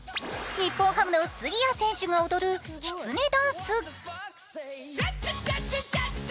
日本ハムの杉谷選手が踊るきつねダンス。